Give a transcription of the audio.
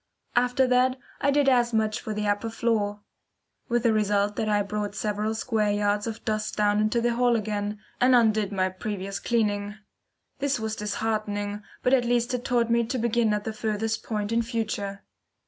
After that I did as much for the upper floor, with the result that I brought several square yards of dust down into the hall again, and undid my previous cleaning. This was disheartening, but at least it taught me to begin at the furthest point in future.